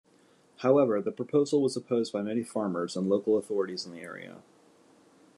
However, the proposal was opposed by many farmers and local authorities in the area.